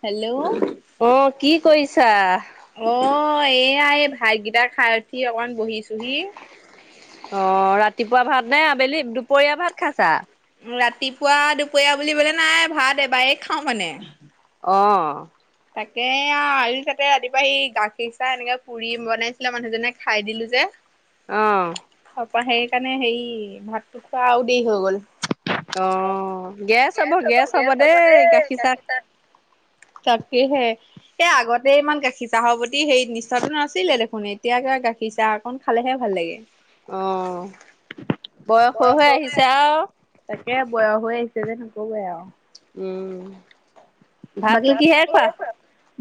Hello! অ', কি কৰিছা? অ', এয়া এ ভাতগিটা খাই উঠি অকমান বহিছোঁহি। অ', ৰাতিপুৱা ভাতনে আবেলি দুপৰীয়া ভাত খাইছা? ৰাতিপুৱা, দুপৰীয়া বুলিবলে নাই ভাত এবাৰেই খাওঁ মানে। অ'। তাকে, [unintelligible] তাতে ৰাতিপুৱা সি গাখীৰ চাহ এনেকে পুৰি বনাইছিলে মানুহজনে খাই দিলোঁ যে। অ'। তাপা সেইকাৰণে হেৰি ভাতটো খোৱা আৰু দেৰি হৈ গ'ল। অ', গেছ হ'ব, গেছ হ'ব দেই, গাখী চাহ তাকেহে। এই আগতে ইমান গাখীৰ চাহৰ প্ৰতি সেই নিচাটো নাছিলে দেখোন এতিয়া গাখীৰ চাহ কন খালেহে ভাল লাগে। অ', বয়স হৈ, হৈ আহিছে আৰু। তাকে, বয়স হৈ আহিছে যে, নক'বই আৰু। উম, বাকী ভাতটো কিহেৰে খোৱা?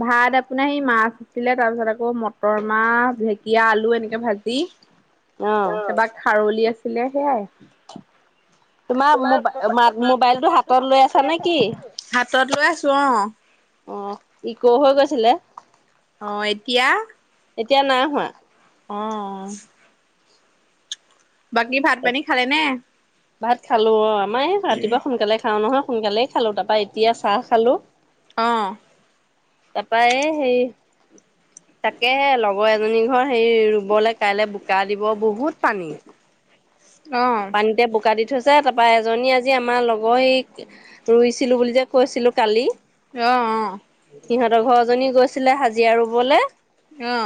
ভাত আপোনাৰ সেই মাছ ছিলে তাৰপিছত আকৌ মটৰ মাহ, ঢেকীয়া, আলু এনেকে ভাজি। অ', তাপা খাৰলি আছিলে সেয়াই। তোমাৰ মোবাইল-মা মোবাইলটো হাতত লৈ আছানে কি? হাতত লৈ আছোঁ অ'। অ', ইক' হৈ গৈছিলে। অ', এতিয়া? এতিয়া নাই হোৱা। অ'। বাকী ভাত, পানী খালেনে? ভাত খালোঁ অ', আমাৰ এই ৰাতিপুৱা সোনকালে খাওঁ নহয়, সোনকালে খালোঁ তাপা এতিয়া চাহ খালোঁ। অ'। তাপা এই সেই, তাকেহে লগ লগৰ এজনী ঘৰ সেই ৰুবলৈ কাইলে বোকা দিব বহুত পানী। অ'। এতে বোকা দি থৈছে তাৰপা এজনী আজি আমাৰ লগৰ সেই ৰুইছিলোঁ বুলি যে, কৈছিলোঁ কালি। অঁ অঁ। সিহঁতৰ ঘৰ এজনী গৈছিলে হাজিৰা ৰুবলে। অঁ।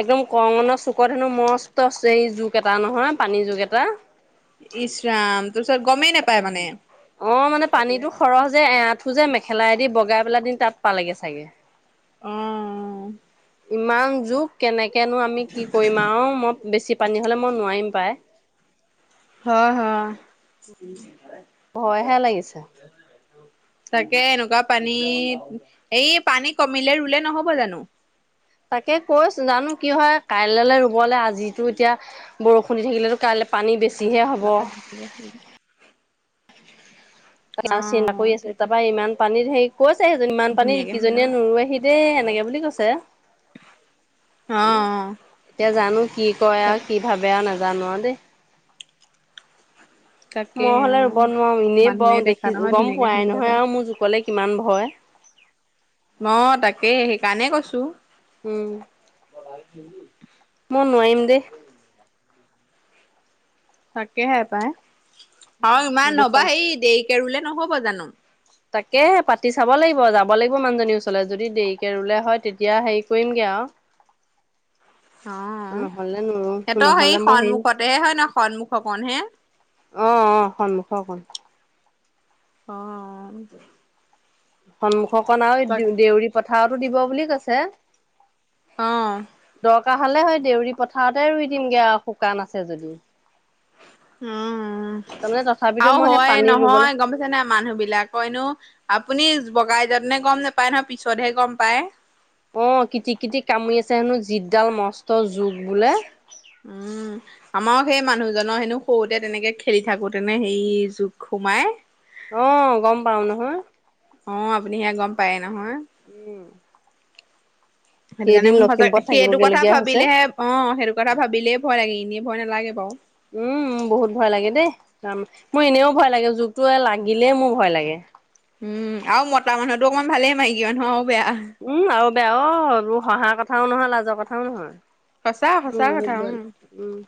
একদম কৰঙণ চুকত হেনো মস্তছ এই জুক এটা নহয় পানীৰ জোক এটা। ইচৰাম তাপাচত গমেই নেপায় মানে। অ মানে পানীতো সৰহ যে, এআঁঠু যে মেখেলা দি বগাই পেলা দি তাত পালেগে চাগে। অঁ। ইমান জোক কেনেকেনো আমি কি কৰিম আও মই বেছি পানী হ'লে মই নোৱাৰিম পাই। হয় হয়। ভয়হে লাগিছে। তাকে এনেকুৱা পানীত, সেই পানী কমিলে ৰুলে নহব জানো। তাকে কৈছো জানো কি হয়, কাইললে ৰুবলৈ আজিতো এতিয়া বৰষুণ দি থাকিলেতো কাইলে, পানী বেছিহে হ'ব। [unintelligible] অ চিন্তা কৰি আছো, তাকে তাৰপৰা ইমান পানীত সেই, কৈছে সেইজনী ইমান পানী ধুনীয়াকে সানি অ এইকেইজনীয়ে নোৰোৱেহি দেই এনেকে বুলি কৈছে। অ অঁ। এতিয়া জানো কি কয় আও কি ভাবে আৰু নাজানো আও দেই। তাকে মই হ'লে অ ৰুব নোৱাও। এনেই মানুহে বাওঁ দেখা দেখি নহয় গম ধুনীয়াকে পোৱাই সানিবলৈ নহয় কোৱা আৰু মোৰ জুকলে কিমান ভয়। অ তাকেই সেইকাৰণে কৈছো। উম। [unintelligible] মই নোৱাৰিম দেই। তাকেহে পাই আৰু ইমান ৰবা বোপান সেই দেৰিকে ৰুলে নহব জানো। তাকেহে পাতি চাব লাগিব যাব লাগিব মানুহজনীৰ ওচৰলে যদি দেৰিকে ৰুলে হয় তেতিয়া হেই, কৰিমগে আও। অঁ সিহতৰ নহ'লে সেই মই হেৰি সন্মুখতেহে হয় ন, সন্মুখ কনহে। অঁ অঁ সন্মুখৰ কণ। অঁ অ। সন্মুখকণ আৰু এই দে দেউৰী পথাৰতো দিব বুলি কৈছে। অ দৰকাৰ হলে হয় দেউৰী পথাৰতে ৰুই দিমগে আও শুকান আছে যদি। উম ওম তাৰমানে তথাপিতো আৰু মই সেই হয় পানী ৰুবলৈ নহয় গমপাই ছে নাই মানুহ বিলাকৰ এনেও আপুনি বগাই যাত নে গম নোপায় নহ পিছতহে গম পায়। অঁ কিটিক কিটিক কামুৰি আছে হেনো জিদডাল মস্ত জোক বোলে। উম। আমাৰ সেই মানুহজনৰ হেনো সৰুতে তেনেকে খেলি থাকোতে নে সেই জোক সোমাই। অঁ গম পাও নহয়। অ আপুনি সেয়া গম পায়ে নহয়। উম, সেইটো কাৰণে কেইদিন মোৰ সদায়, লখিমপুৰত সেইটো থাকিবগে কথা লগীয়া হৈছে। ভাবিলেহে। অঁ সেইটো কথা ভাবিলেই ভয় লাগে, এনেই ভয় নালাগে বাও। উম বহুত ভয় লাগে দেই, মোৰ এনেও ভয় লাগে জোকটোৱে লাগিলে মোৰ ভয় লাগে। উম, আৰু মতা মানুহটো অকণমান ভালে মাইকী মানুহ আও বেয়া। উম আৰু বেয়া অঁ এইবোৰ হঁহাৰ কথাও নহয়, লাজৰ কথাও নহয়। সঁচা উ সঁচা বহুত কথা বইল। উম উম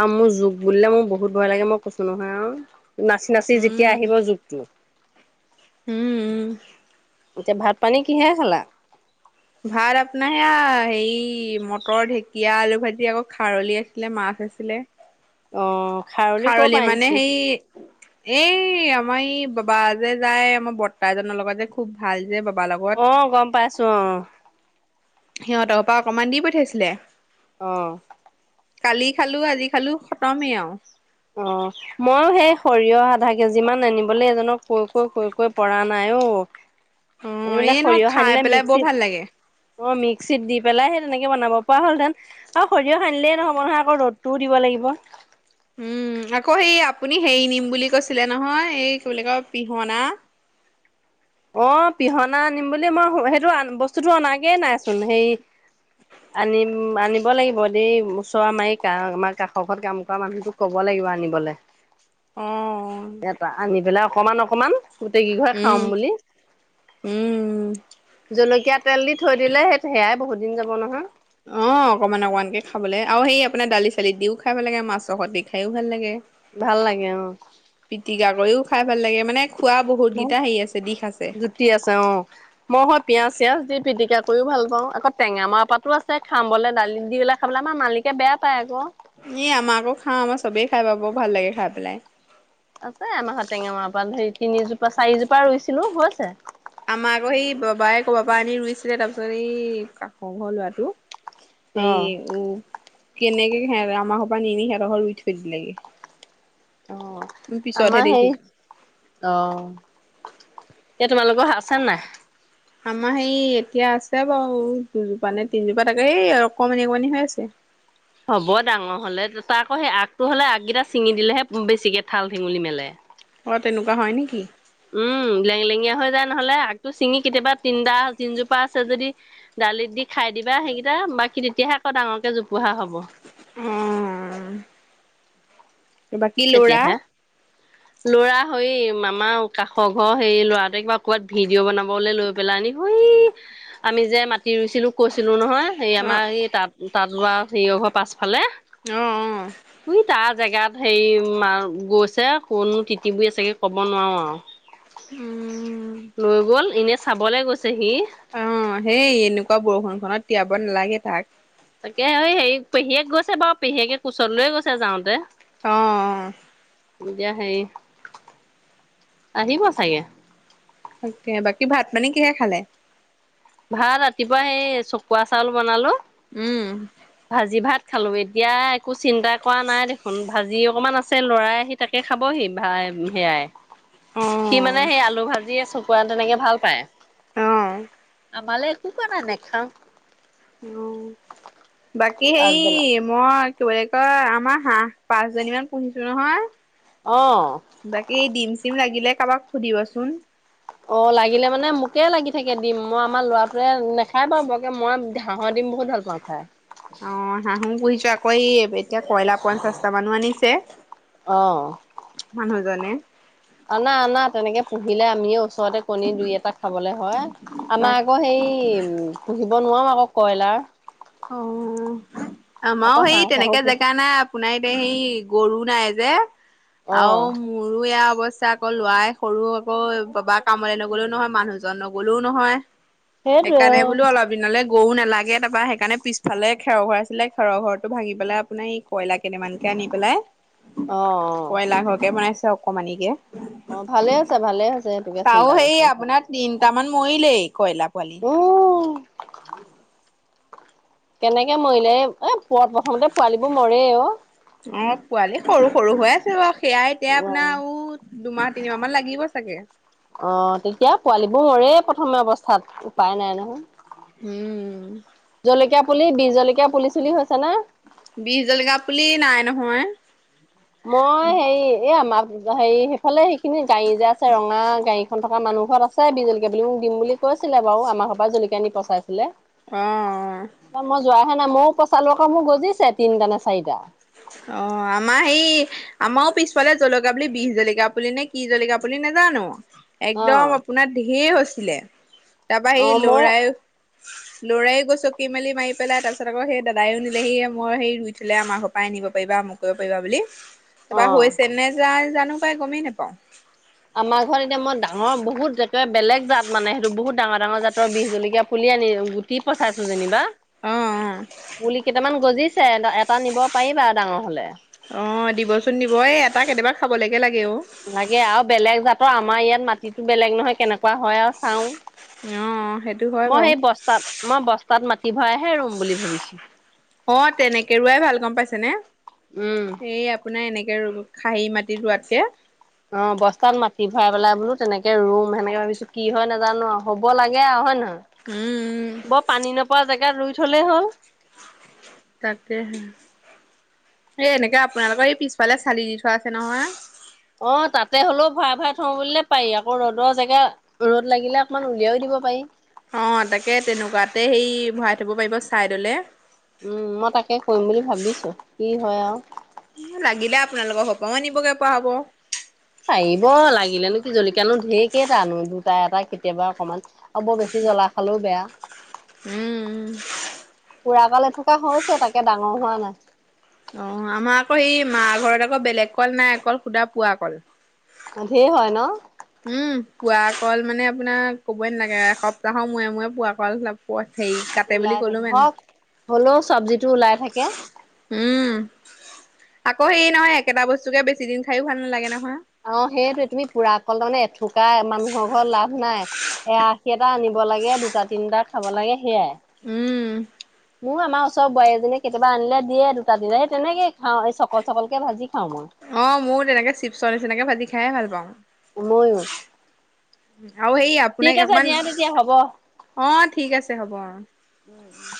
আৰু মোৰ জোক বুলিলে মোৰ বহুত ভয় লাগে মই কৈছো নহয়, আৰু নাচ নাচি উম যেতিয়া আহিব জোক টো হুম উম। এতিয়া ভাত পানী কিহেৰে খালা? ভাত আপোনাৰ সেয়া হেৰি মটৰ ঢেকীয়া আলু ভাজি আকৌ খাৰলি আছিলে মাছ আছিলে। অ, খাৰলি কৰ পৰা মানে আনিছিলা। সেই এই আমাৰ এই বাবা যে যায় আমাৰ বৰদেউতা এজনৰ লগত যে খুব ভাল যে বাবাৰ লগত। অ গম পাইছোঁ অ সিহঁতৰ ঘৰ পৰা অকণমান দি পঠিয়াইছিলে। অ কালি খালো আজি খালো খতমেই আৰু। অ মইয়ো সেই সৰিয়হ আধা কেজিমান আনিবলৈ এজনক কৈ কৈ কৈ কৈ পৰা নাই অ। অ মানে এই ন সৰিয়হ খাই সানিলে পেলাই বৰ মিক্সিত ভাল লাগে। অ মিক্সিত দি পেলাই সেই তেনেকে বনাব পৰা হলহেতেন। আৰু সৰিয়হ আনিলে নহ'ব নহয় আকৌ ৰদটোও দিব লাগিব। উম আকৌ সেই আপুনি হেৰি নিম বুলি কৈছিলে নহয় এই কি বুলি কয় পিহনা। অ পিহনা আনিম বুলি মই সেইটো বস্তুটো অনাগে নাইচোন হেৰি আনিম আনিব লাগিব দেই ওচৰ আমাৰ কাষৰ ঘৰত কাম কৰা মানুহটোক ক'ব লাগিব আনিবলে। অ আনি পেলাই অকমান অকমান গোটেইকেইঘৰে উম খাম বুলি। উম জলকীয়া তেল দি থৈ দিলে সেই সেয়াই বহুত দিন যাব নহয়। অ অকমান অকমানকে খাবলৈ আৰু সেই আপোনাৰ দালি চালিত দিও খাই ভাল লাগে মাছৰ সৈতেও খাই ভাল লাগে। ভাল লাগে অ। পিটিকা কৰিও খাই ভাল লাগে মানে খোৱা বহুতকেইটা হেৰি আছে দিশ আছে। কি আছে অঁ। মই হ পিয়াঁজ চিয়াজ দি পিটিকা কৰিও ভাল পাওঁ আকৌ টেঙা মৰা পাতো আছে খাম বলে দালি দিলে খাবলে আমাৰ মালিকে বেয়া পায় আকৌ। এ আমাৰ আকৌ খাওঁ আমাৰ চবেই খাই বা বৰ ভাল লাগে খাই পেলাই। আছে আমাৰ ঘৰত টেঙা মৰা পাত হেৰি তিনিজোপা চাৰিজোপা ৰুইছিলো হৈছে। আমাৰ আকৌ সেই বাবাই কবাৰ পাৰা আনি ৰুইছিলে তাৰপিছত এই কাষৰ ঘৰ ল'ৰাটো অ সেই উ কেনেকে আমাৰ ঘৰ পৰা নিনি হেহঁতৰ ঘৰত ৰুই থৈ দিলেগে। অ আমি পিছতহে আমাৰ সেই দেখিছো অ এতিয়া তোমালোকৰ আছে নাই। আমাৰ সেই এতিয়া আছে বাৰু দুজোপা নে তিনজোপা তাকে এই অকমানি অকমানি হৈ আছে। হ'ব ডাঙৰ হলে তাক সেই আগটো হ'লে আগেকেইটা চিঙি দিলেহে বেছিকে ঠাল ঠেঙলি মেলে। অঁ তেনেকুৱা হয় নেকি? উম লেং লেঙীয়া হৈ যায় নহলে আগতটো ছিঙি কেতিয়াবা তিনিটা তিনজোপা আছে যদি দালিত দি খাই দিবা সেইকেইটা বাকী তেতিয়াহে আকৌ ডাঙৰকৈ জোপোহা হ'ব। উম, উম তেতিয়াহে ল'ৰা হৈ মামা কাষৰ ঘৰ সেই ল'ৰাটোৱে কিবা ক'ৰবাত ভিডিঅ' বনাবলৈ লৈ পেলানি হৈই আমি যে মাটি ৰুইছিলো কৈছিলো নহয় সেই অ আমাৰ এই তাত তাত লোৱা সেইঘৰ পাছফালে। অ', অ'। ওই তাৰ জেগাত হেৰি মা গৈছে ক'তনো তিতিবুৰি আছেগে ক'ব নোৱাৰো উম আৰু। লৈ গ'ল, এনেই চাবলৈ গৈছে সি। অ সেই এনেকুৱা বৰষুণ খনত তিয়াব নালাগে তাক। তাকে হেৰি পেহীয়েক গৈছে বাৰু পেহীয়েকে কোচত লয়ে গৈছে যাওঁতে। অ অ। এতিয়া হেৰি আহিব চাগে। তাকে, বাকী ভাত পানী কিহেৰে খালে? ভাত ৰাতিপুৱা সেই চকুৱা চাউল বনালো। উম। ভাজি ভাত খালো। এতিয়া একো চিন্তা কৰা নাই দেখোন ভাজি অকমান আছে ল'ৰাই আহি তাকে খাব হি ভাই সেয়াই, সি মানে অ', সেই আলু ভাজিয়ে চ খোৱা তেনেকে ভাল পায়। অঁ। আমালে একো কৰা নাই, নেখাওঁ। অ' বাকী সেই পাছবেলা মই কি বুলি কয়, আমাৰ হাঁহ পাঁচজনী মান পুহিছো নহয়। অ'। বাকী ডিম চিম লাগিলে কাৰোবাক সুধিবচোন? অঁ লাগিলে মানে মোকে লাগি থাকে। দিম মই আমাৰ ল'ৰাটোৱে নাখায় বাৰু বৰকে, মই হাঁহ দিম বো বহুত ভাল পাওঁ খায়। অ' হাঁহো পুহিছো আকৌ এই এতিয়া কইলাৰ পঞ্চাশটা মানো আনিছে অঁ। মানুহজনে। অনা, অনা তেনেকে পুহিলে আমিয়ে ওচৰতে কণী দুই এটা খাবলৈ হয়। তাক আমাৰ আকৌ সেই পুহিব নোৱাৰো আকৌ কইলাৰ। অ' আমাৰো আকৌ হাঁহ সেই চাহো তেনেকে পুহ জেগা নাই। সোনাই পেহী গৰু নাই যে অ আৰু মোৰো এইয়া অৱস্থা আকৌ, লোৱাই সৰু আকৌ, বাবাই কামলে নগলেওঁ নহয়, মানুহজন নগ'লেওঁ নহয়। সেইটোৱে সেইকাৰণে অ বোলো অলপ দিনলে গৰু নালাগে। তাৰপা সেইকাৰণে পিছফালে খেৰৰ ঘৰ আছিলে, খেৰৰ ঘৰটো ভাঙি পেলাই আপোনাৰ ই কয়লাৰ কেইটামানকে আনি পেলাই অ কয়লাৰ ঘৰকে বনাইছে অকমানিকে। অ' ভালে আছে ভালে হৈছে সেইটোকে চিন্তা কৰিছে মিছাকে। তিনিটামান মৰিলেই কয়লাৰ পোৱালি। উ, কেনেকে মৰিলে এ পুৰা প্ৰথমতে পোৱালিবোৰ মৰে অ'। অ' পোৱালি সৰু সৰু হৈ আছে বাৰু, সেয়াাই এতিয়া অ আপোনাৰ আৰু দুমাহ তিনিমাহ মান লাগিব চাগে। অ' তেতিয়া পোৱালীবোৰ মৰেই প্ৰথম অৱস্থাত। স্থাত। উপায় নাই নহয়। উম। জলকীয়া পুলি, বিহ জলকীয়া পুলি চুলি হৈছে নে? বিহ জালকীয়া পুলি নাই নহয়। মই হেৰি এই আমাৰ হেৰি সেইফালে সেইখিনি গাড়ী যে আছে ৰঙা গাড়ীখন থকা মানুহ ঘৰত আছে বিহ জলকীয়া পুলি, মোক দিম বুলি কৈছিলে বাৰু, আমাৰ ঘৰ পৰা জলকীয়া আনি পচাইছিলে। অঁ, অ'। মই যোৱাহে নাই, ময়ো পচালো আকৌ মোৰ গজিছে তিনিটা নে চাৰিটা। অঁ আমাৰ সেই- আমাৰো পিছফালে জলকাীয়া, বুলি বি জলকাীয়া পুলি নে কি জলকীয়া পুলি নোজানো। অ একদম আপোনাৰ ধঢেৰ হৈছিলে তাৰপৰা অ সেই ময়ো লৰাই। লৰায গচকি মেলি মাৰি পেলাই তাৰপিছত আকৌই দাদায়ও নিলে সি মই সেই ৰুই থোলে আমাৰ। পাই নিব পাৰিবা মোক কৰিব পাৰিবা বুলি অ তাৰপা হৈছে নে যায় জানো পাই গমেই নাপাওঁ। আমাৰ ঘৰত এতিয়া মই ডাঙৰ বহুত একে বেলেগ জাত মানে সেইটো বহুত ডাঙৰ ডাঙৰ জাতৰ বিষ জলকীয়া পুলি আনিলো। কি পচাইছো যেনিবা অ পুলি কেইটামান গজিছ- এটা নিব পাৰিবা ডাঙৰ হ'লে। অঁ দিবচোন দিব এই এটা কেতিয়াবা খাবলৈকে লাগে অঁ! লাগে আৰু বেলেগ জাতৰ আমাৰ ইয়াত মাটিতো বেলেগ নহয় কেনেকুৱা হয়ঁ আৰ চাওঁ। অ সেইটো হয় মই বাৰু সেই বস্তাত মই বস্তাত মাটি ভৰাইহে ৰুম বুলি ভাবিছোঁ। অঁ তেনেকে ৰৰুৱাই ভাল গম পাইছে নে উম এইয়াপ- আপোনাৰ এনেকৈ ৰুব খাহী মাটিত ৰোৱাতকে। অঁ বস্তাত মাটি ভৰাই পেলাই বোলো তেনেকে ৰুম সেনেকে ভাবিছোঁ কি হঁয় নাজানো হ'ব লাগে আৰু হয়ঁ উম উম নহয়। বৰ পানী নোপোৱা জেগাত ৰুই থলেই হ'ল। তাকে হে এই এনেকে আপোনালোকৰ এই পিছফালে চালি দি থোৱা আছে নহয়। অঁ তাতে হ'লেও ভৰাাই ভাই থওঁ বুলিলে পাৰি আকৌ ৰ'দৰ জেগা- ৰ'দ লাগিলে অকণমান উলিয়াইও দিব পাৰি। অঁ তাকে তেনেকুৱাতে সে ভৰাই থ'ব পাৰিব ছাইডলে। উমঁ মই তাকে কৰিম বুলি ভাবিছোঁ কি হয়ঁ আও। ই লাগিলে আপোনালোকৰ ঘৰপৰাও আনিবগে পৰা হ'ব। পাৰিব লাগিলেনো কি জলকীয়া ঢেৰকেইটানো দুটা এটা কেতিয়াবা অকমান- হ'ব বেছি জ্বলা খালেও বেয়া। উম, পোৰা কাল এথোকা হৈছে তাকে ডাঙৰ হোৱা নাই। অঁ আমাৰ আকৌ সেই মা ঘৰত আকৌ বেলেগ কল নাই অঁ কল সুধা পোৱা কল। ধেৰ হয়ঁ ন। উমঁ পোৱা কল মানে আপোনাৰ ক'বই নালাগে এসপ্তাহৰ মূৰে মূৰে পোৱা কল- ক হেৰি কাটে ওলাই বুলি থাকে ক'লো মানে। হওক হ'লেও চব্জিটো ওলাই থাকে। উমঁ আকৌ হে নহয় একেটা বস্তুকে বেছি দিন খায়ো ভাল নালাগে নহয়। অঁ সেইটোৱে তুমি পুৰা অকল তাৰমানে এথোকা মানুহৰ ঘৰত লাভ নাই। এআশী এটা আনিব লাগে দুটা তিনটা- খাব লাগে সেয়াই। উম, মোৰ আমাৰ ওচৰ- ওচৰ বোৱাৰীজনী কেতিয়াব আনিলে দিয়ে দুটা দিল সেই তেনেকে খাওঁ এই চকল চকলকে ভাজি খাওঁ মই। অঁ মোৰো তেনেকে চিপচৰ নিচিনাকে ভাজি খাইে ভাল পাওঁ। ময়ো। আৰু সেই ঠিক আপোনাক আছে অকমান দিয়া তেতিয়া হ'ব অঁ ঠিক আছে হ'ব অঁ। উমঁ!